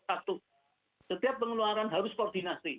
satu setiap pengeluaran harus koordinasi